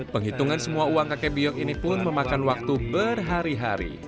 penghitungan semua uang kakek biok ini pun memakan waktu berhari hari